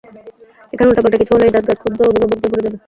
এখানে উল্টাপাল্টা কিছু হলে এই জায়গা ক্ষুব্ধ অভিভাবক দিয়ে ভরে যাবে।